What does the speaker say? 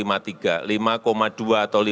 lima dua atau lima tiga